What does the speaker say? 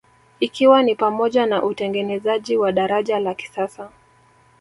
Ikiwa ni pamoja na utengenezaji wa daraja la kisasa